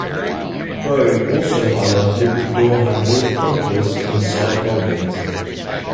Chrome also highlighted the door handles, bumpers, and side mouldings.